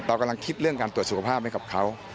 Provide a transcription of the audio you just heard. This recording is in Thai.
เรากำลังคิดเรื่องการตรวจสุขภาพให้กับเขา